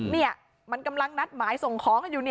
นี่มันกำลังนัดหมายส่งของอยู่